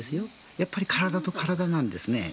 やっぱり体と体なんですね。